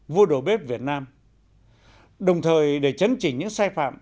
vua đầu bếp việt nam đồng thời để chấn chỉnh những sai phạm